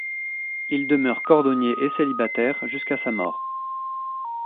Il demeure cordonnier et célibataire jusqu'à sa mort.